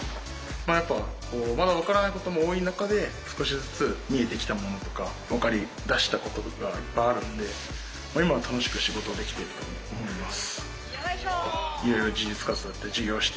まあやっぱまだ分からないことも多い中で少しずつ見えてきたものとか分かりだしたこととかいっぱいあるんで今は楽しく仕事できてると思います。